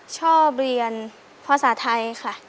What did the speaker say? ชอบเรียนภาษาไทยค่ะ